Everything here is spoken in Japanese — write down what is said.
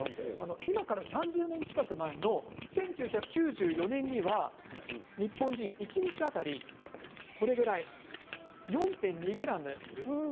今から３０年近く前の１９９４年には日本人、一日当たり４．２ｇ食べていました。